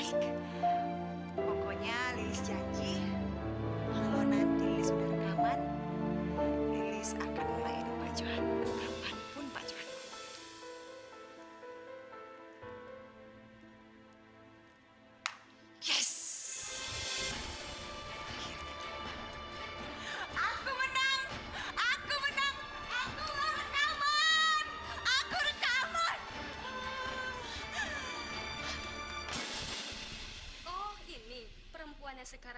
sampai jumpa di video selanjutnya